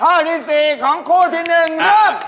ข้อที่๔ของคู่ที่๑ครับ